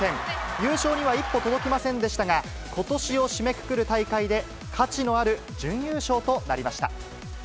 優勝には一歩届きませんでしたが、ことしを締めくくる大会で、価値のある準優勝となりました。